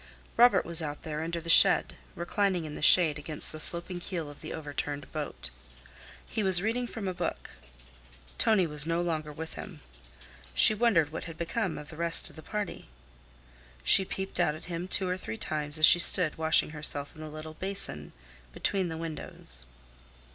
Robert was out there under the shed, reclining in the shade against the sloping keel of the overturned boat. He was reading from a book. Tonie was no longer with him. She wondered what had become of the rest of the party. She peeped out at him two or three times as she stood washing herself in the little basin between the windows.